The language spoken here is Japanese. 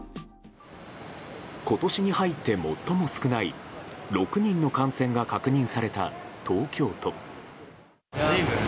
今年に入って最も少ない６人の感染が確認された東京都。